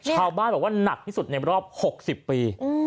ชาวบ้านบอกว่าหนักที่สุดในรอบ๖๐ปี